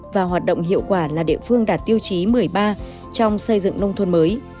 và hoạt động hiệu quả là địa phương đạt tiêu chí một mươi ba trong xây dựng nông thôn mới